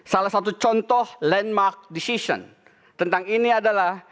salah satu contoh landmark decision tentang ini adalah